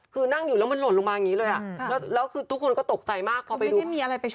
คือนั่งอยู่แล้วมันหล่นลงมาอย่างนี้เลยอะ